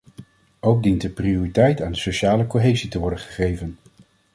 Ook dient er prioriteit aan de sociale cohesie te worden gegeven.